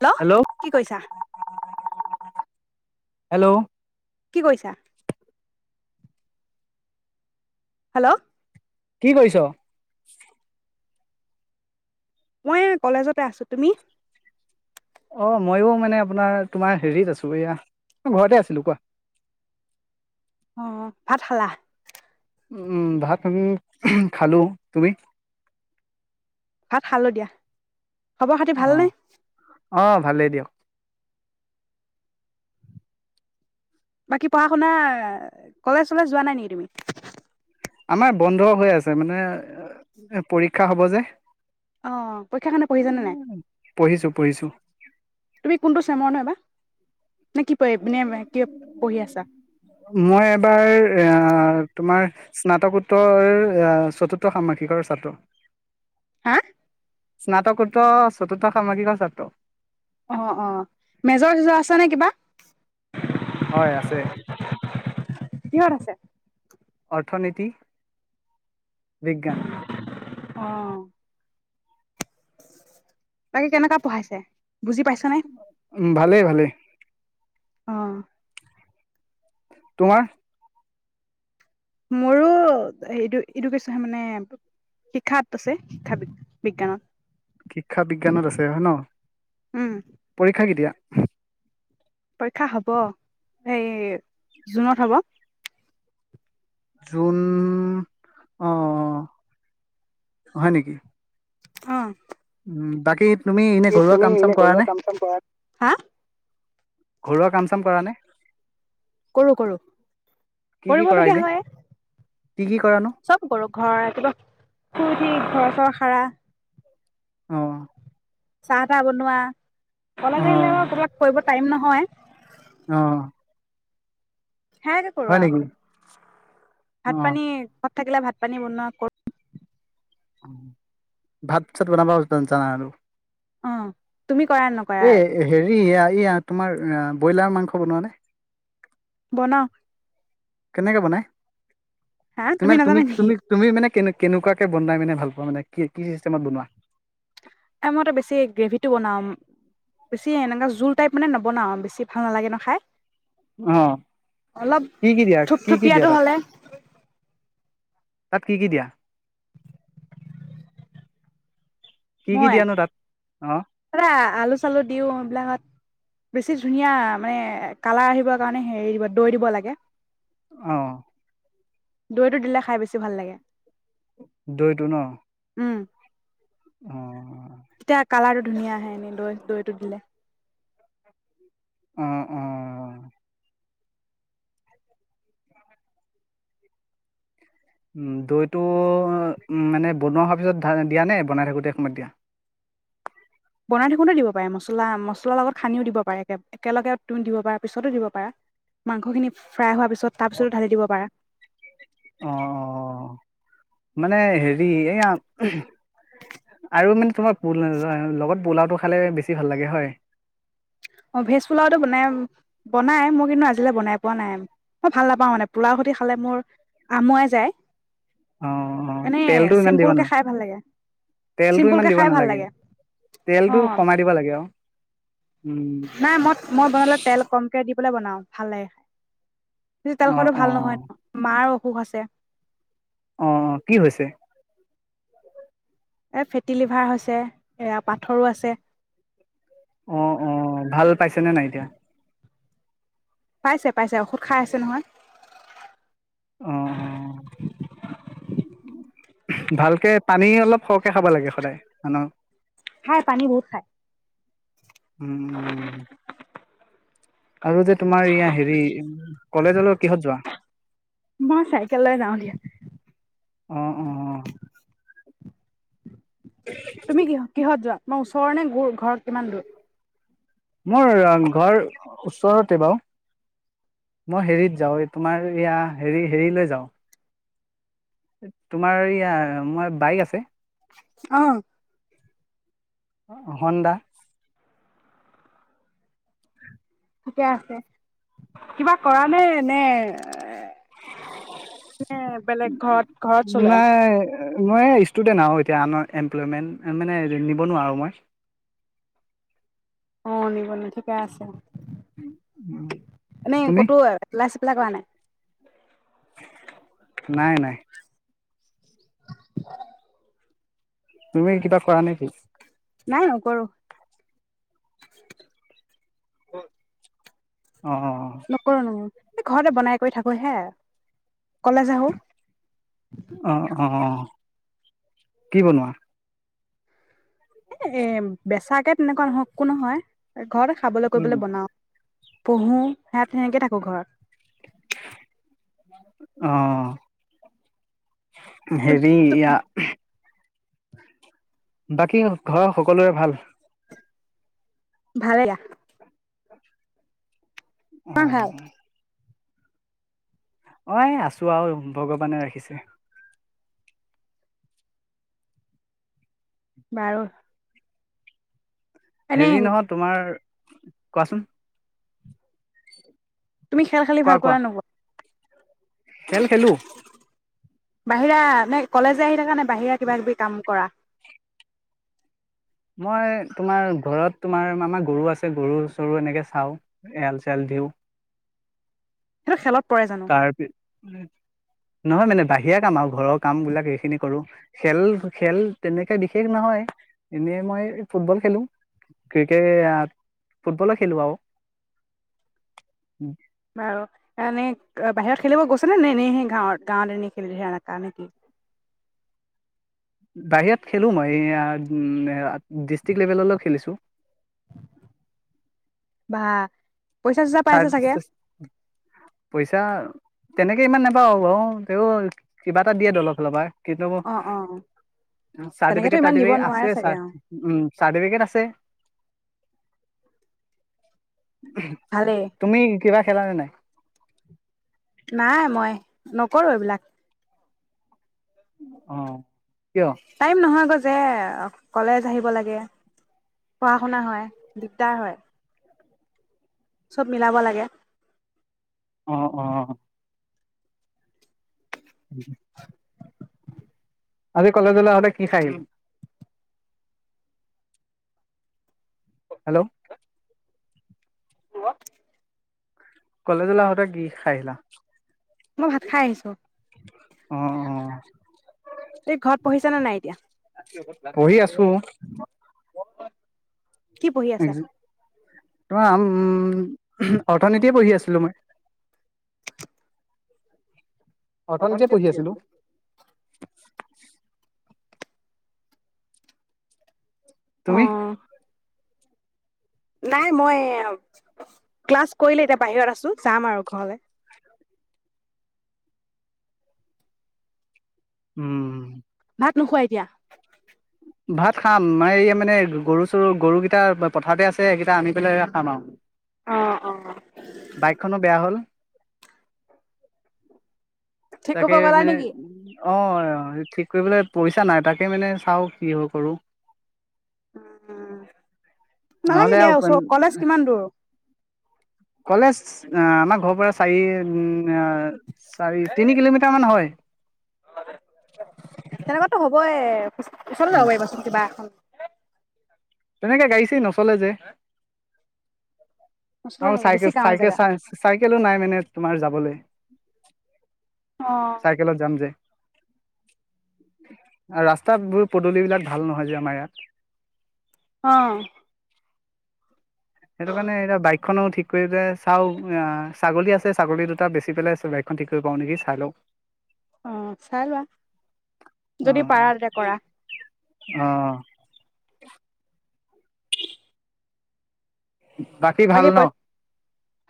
Hello কি কৈছা? Hello কি কৰিছা? হেল্ল' কি কৰিছ মই কলেজতে আছো তুমি অ ময়ো মানে আপোনাৰ তোমাৰ হেৰিত আছো এয়া ঘৰতে আছিলো কোৱা অ ভাত খালা উম ভাত খালো তুমি ভাত খালো দিয়া খবৰ খাতি অ ভালনে আহ ভালেই দিয়ক বাকী পঢ়া শুনা কলেজ চলেজ যোৱা নাই নেকি তুমি আমাৰ বন্ধ হৈ আছে মানে পৰীক্ষা হব যে অ পৰীক্ষাকাৰনে পঢ়িছানে নাই পঢ়িছো পঢ়িছো তুমি কোনটো চেমৰ নহয় বা পঢ়ি আছা মই এবাৰ আহ তোমাৰ স্নাতকোত্তৰ চতুৰ্থ সামাসিকৰ ছাত্ৰ হা স্নাতকোত্ত চতুৰ্থ সামসিকৰ ছাত্ৰ অ অ মেজৰ চিজৰ আছে নে কিবা হয় আছে কিহত আছে অৰ্থনীতি বিজ্ঞান অ বাকী কেনেকোৱা পঢ়াইছে বুজি পাইছানে উ ভালেই ভালে অ তোমাৰ মোৰো এডুকেশ্বন মানে শিক্ষাত আছে শিক্ষা বিজ্ঞানত শিক্ষা বিজ্ঞানত আছে হয় ন উম পৰীক্ষা কেতিয়া পৰীক্ষা হব এই জুনত হ'ব জুন আহ হয় নেকি অ উ বাকী তুমি এনে ঘৰুৱা কাম চাম কৰা নে হা ঘৰুৱা কাম চাম কৰা নে কৰো কৰো কি কি কৰা কৰিবলগীয়া এনে হয় কি কি কৰানো চব কৰো ঘৰৰ একেবাৰে উঠি ঘ ঘৰ সৰা আহ চাহা তাহ বনোৱা অ কললে আহিলে বাৰ তোলাক কৰিব টাইম নহয় [unintelligible] হয় অ হে কৰোৱা উ ভাত পানী থাকিলে ভাত পানী বনোৱা কৰো ভাত চাত বনাব জানিছা নাই আৰু অ তুমি কৰা নকৰা এ হেৰি ইয়া ইয়া তোমাৰ ব্ৰইলাৰ মাংস বনোৱা নে? বনাও কেনেকে বনাই হা তোমাৰ নাজানা তুমি নেকি তুমি মানে কেনেকে কেনেকুৱাকে বনাই মানে ভাল পোৱা মানে কি কি চিষ্টেমত বনোৱা এ মই বেছি গ্ৰেভি টো বনাওঁ বেছি এনেকা জোল টাইপ মানে নবনাওঁ বেছি ভাল নালাগে ন খাই অহ অলপ কি কি দিয়া কি কি দিয়া থুপথুপিয়াটো তাত হ'লে তাত কি কি দিয়া কি কি মই দিয়ানো তাত অ ইফালে আলু চালু দিও এইবিলাকত বেছি ধুনীয়া মানে কালাৰ আহিবৰ কাৰণে হেৰি দিব দৈ দিব লাগে অহ দৈটো দিলে খাই বেছি ভাল লাগে দৈটো ন উম অ তেতিয়া কালাৰ টো ধুনীয়া আহে দৈ দৈটো দিলে অ অ উম দৈটো উম মানে বনোৱা হোৱাৰ পিছত দিয়া নে বনাই থাকোতে সময় দিয়া বনাই থাকোতে দিব পাৰে মছলা মছলাৰ লগত সানিও দিব পাৰে এক একেলগে তুমি দিব পাৰা পিছতো দিব পাৰা মাংস খিনি ফ্ৰাই হোৱাৰ পিছত ছ তাৰ অ পিছত ঢালি দিব পাৰা অ অ মানে হেৰি এইয়া আৰু মানে কিবা আ লগত পোলাওটো খালে বেছি ভাল লাগে হয় অ ভেজ পোলাওটো মানে বনাই মই কিন্তু আজিলৈকে বনাই পোৱা নাই মই ভাল নাপাওঁ মানে পোলাও সৈতে খালে মোৰ আমোৱাই যায় অ অ এনেই তেলটো ইমান দিব চিম্পুলকে নালাগে খাই ভাল লাগে তেলটো ইমান চিম্পুলকে দিব খাই ভাল নালাগে লাগে অ তেলটো কমাই দিব লাগে আৰু উম নাই মই মই বনালে তেল কমকে দি পেলাই বনাও ভাল লাগে খাই বেছি তেল অ খোৱাটো অ ভাল নহয় মাৰো অসুখ আছে অ অ কি হৈছে এই ফেটি লিভাৰ হৈছে এইয়া পাথৰো আছে অ অ ভাল পাইছেনে নাই এতিয়া পাইছে পাইছে ঔষধ খাই আছে নহয় আহ অ ভালকে পানী অলপ সৰহকে খাব লাগে সদায় মানুহৰ অ পানী বহুত খাই উম আৰু যে তোমাৰ ইয়াৰ হেৰি কলেজলৈ কিহত যোৱা মই চাইকেল লৈ যাওঁ দিয়া আহ অ অ তুমি কিহ কিহত যোৱা তোমাৰ ওচৰৰ নে ঘৰত কিমান দূৰ মোৰ ঘৰ ওচৰতে বাৰু মই হেৰিত যাওঁ এই তোমাৰ ইয়া হেৰি হেৰিলৈ যাওঁ তোমাৰ ইয়া মই বাইক আছে আহ হণ্ ঠিকে আছে কিবা কৰা নে নে এ বেলেগ ঘৰত ঘৰত চলে নাই মই ষ্টুডেন্ট আৰু এতিয়া আন এমপ্লয়মেন্ট মানে নিব নোৱাৰো মই অ নিব নি ঠিকে আছে এনেই তুমি ক'তো এলা লাগানে নাই নাই তুমি কিবা কৰা নেকি নাই নকৰো অ অ নকৰু এই ঘৰতে বনাই কৰি থাকো হে কলেজ আহো আহ অ কি বনোৱা এ এ বেচাক তাকে তেনেকুৱা নহওক একো নহয় ঘৰতে খাবলৈ কৰিবলৈ বনাও পঢ়ো সেয়াত সেনেকে থাকো ঘৰত আহ হেৰি ইয়া বাকী ঘৰৰ সকলোৰে ভাল ভালে অ তোমাৰ ভাল অ এই আছো আৰু ভগৱানে ৰাখিছে বাৰ হেৰি নহয় তোমাৰ কোৱাচোন তুমি খেল খেলি কোৱা ভাল কোৱা পোৱা নে নোপোৱা? খেল খেলো বাহিৰা নে কলেজে আহি থকা নে বাহিৰা কিবা কিবি কাম কৰা মই তোমাৰ ঘৰত তোমাৰ আমাৰ গৰু আছে গৰু চৰু এনেকে চাওঁ এৰাল চেৰাল দিওঁ। সেইটো খেলত পৰে জানো তাৰপিছত নহয় মানে বাহিৰা কাম আৰু ঘৰৰ কাম বিলাক সেইখিনি কৰো খেল খেল তেনেকে বিশেষ নহয় এনেই মই ফুটবল খেলো ক্ৰিকেট ফুটবলে খেলো আৰু বাৰু এনেই বাহিৰত খেলিব গৈছেনে নে এনেই সেই গাঁৱত গাঁৱত এনেই খেলি ধে এনেককাা নেকি বাহিৰত খেলো মই ডিষ্ট্ৰিকট লেভেললৈ খেলিছো বাহ পইচা তেনেকে ইমান নাপাও বাৰ তেওঁ কিবা এটা দিয়ে দল ফালপাই কিন্তু অ অ তেনেকেতো চাৰটিফিকেট ইমান দিব টাৰটিফিকেট নোৱাৰে আছে চাগে অ উম চাৰটিফিকেট আছে [unintelligible] [unintelligible] ভালেই তুমি কিবা খেলা নে নাই নাই মই নকৰো এইবিলাক অ কিয় টাইম নহয় যে কলেজ আহিব লাগে পঢ়া শুনা হয় দিগদাৰ হয় চব মিলাব লাগে অ অ উ [unintelligible] আজি কলেজলে আহোতে কি খাই আ হেল্ল' হেল্ল কলেজলৈ আহোতে কি খাই আহিলা মই ভাত খাই আহিছো উম উম এই ঘৰত পঢ়িছ নে নাই এতিয়া পঢ়ি আছো হয় কি পঢ়ি আছা তম উ অৰ্থনীতিয়ে পঢ়ি আছিলোঁ মই অটল যে পঢ়ি আছিলো [unintelligible] অ তুমি নাই মই ক্লাছ কৰিলো এতিয়া বাহিৰত আছো যাম আৰু ঘৰ উম ভাত নোখোৱা এতিয়া ভাত খাম মই এই মানে গৰু চৰু গৰুকেইটা পথাৰতে আছে সেইকেইটা আনি পেলাই খাম আৰু অ অ বাইকখনো বেয়া হ'ল ঠিক তাকে কৰিব গ'লা মানে নেকি উ অ অ ঠিক কৰিবলৈ পইচা নাই তাকে মানে চাওঁ কি অ কৰো উম নালাগে নহ'লে দিয়া আৰু ওচৰ কলেজ কিমান দূৰ কলেজ আমাৰ ঘৰৰ পৰা চাৰি চাৰি তিনি কিলোমিটাৰ মান হয় ওচৰতে উম, ল'ব পাৰিবা চোন কিবা এখন তেনেকে গাড়ী চাড়ী নচলে যে ওচৰলৈ আৰু নেকি বেছি চাইকেল গাঁৱৰ চাইকেল জেগা চাইকেলো নাই মানে তোমাৰ যাবলৈ অ চাইকেলত যাম যে ৰাস্তাবোৰ পদূলিবিলাক ভাল নহয় যে আমাৰ ইয়াত অ সেইটো কাৰণে এটা বাইক বাইকখনো ঠিক কৰি পেলাই চাওঁ ছাগলী আছে ছাগলী দুটা বেছি পেলাই বাইকখন ঠিক কৰিব পাৰোঁ নেকি চাই লওঁ অ চাই লোৱা অ যদি পাৰা তেতিয়া কৰা উম বাকী ভাল ন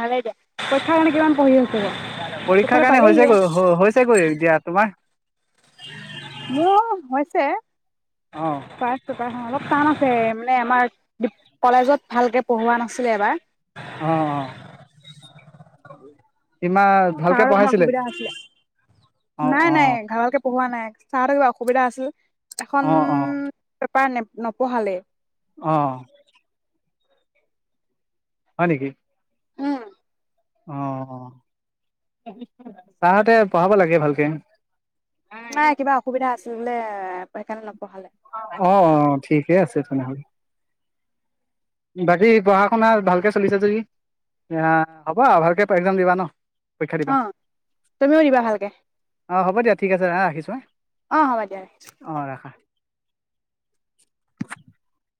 ভালে দে পৰীক্ষা কাৰনে কিমান পঢ়ি আছ তই পৰীক্ষাৰ কাৰণে হৈছেগৈ হৈছেগৈ দিয়া তোমাৰ মোৰো হৈছে অ পাছ অলপ টান আছে মানে আমাৰ কলেজত ভালকে পঢ়োৱা নাছিলে এবাৰ অ অ হ ইমান ভালকে ছাৰৰ কিবা পঢ়াইছিলে অসুবিধা হৈছিলে অ নাই অ নাই ভালকে পঢ়োৱা নাই চাওতে কিবা অসুবিধা আছিল এখন অ অ তই নে নপঢ়ালে অ হয় নেকি উম অ অ ছাৰ হতে পঢ়াব লাগে ভালকে নাই কিবা অসুবিধা আছিল বোলে সেইকাৰণে নপঢ়ালে অ অ ঠিক ঠিকেই আছে তেনেহ'লে বাকী পঢ়া শুনা ভালকে চলিছে যদি হ'বা ভালকে এক্সাম দিবা ন পৰীক্ষা দিবা অঁ তুমিও দিবা ভালকে অ হ'ব দিয়া ঠিক আছে হা ৰাখিছোঁ হা অঁ হ'ব দিয়া ৰাখিছোঁ অ [unintelligible]